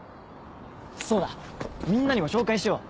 そうだみんなにも紹介しよう。